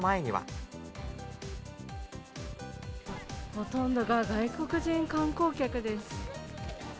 ほとんどが外国人観光客です。